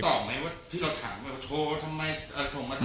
แล้วเขาตอบไหมว่าที่เราถามเขาโชว์ทำไมเอ่อโชว์มาทำไม